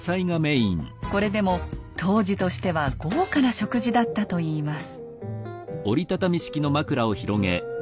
これでも当時としては豪華な食事だったといいます。